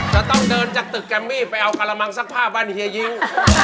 จะต้องเดินจากตึกแกมมี่ไปเอาการมังซักผ้าบรรทีหญิง